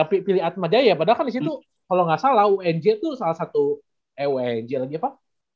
kenapa ya pilih atmajaya padahal kan di situ kalo gak salah unj tuh salah satu eh wnj lagi apa